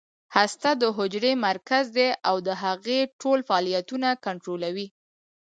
هسته د حجرې مرکز دی او د هغې ټول فعالیتونه کنټرولوي